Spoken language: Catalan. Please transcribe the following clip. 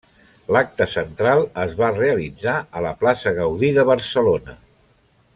L'acte central es va realitzar a la plaça Gaudí de Barcelona.